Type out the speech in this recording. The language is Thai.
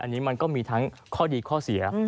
อันนี้มันก็มีทั้งข้อดีข้อเสีย